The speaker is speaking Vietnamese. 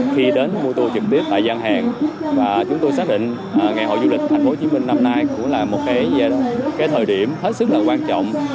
khi đến mua tour trực tiếp tại gian hàng và chúng tôi xác định ngày hội du lịch thành phố hồ chí minh năm nay cũng là một cái thời điểm hết sức là quan trọng